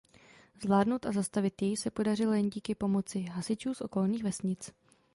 Zvládnout a zastavit jej se podařilo jen díky pomoci hasičů z okolních vesnic.